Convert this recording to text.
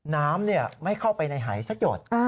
น้ำไม่เข้าไปในหายสักหยด